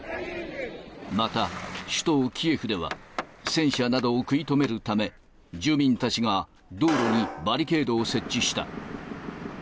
また、首都キエフでは、戦車などを食い止めるため、住民たちが道路にバリケードを設置した。